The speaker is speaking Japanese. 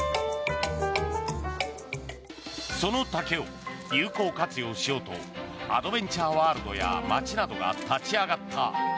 その竹を有効活用しようとアドベンチャーワールドや町などが立ち上がった。